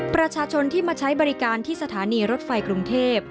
ประชาชนที่มาใช้บริการที่สถานีรถไฟกรุงเทพ